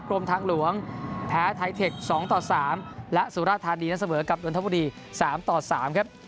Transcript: กรมทางหลวงแพ้ไทเทค๒๓และสุราธารณีนัสเวิร์คกับยนตบุรี๓๓ครับ